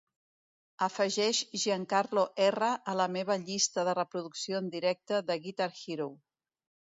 Afegeix Giancarlo Erra a la meva llista de reproducció en directe de Guitar Hero